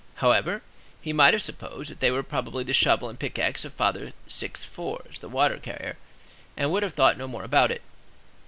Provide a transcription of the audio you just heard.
However, he might have supposed that they were probably the shovel and pick of Father Six Fours, the water carrier, and would have thought no more about it.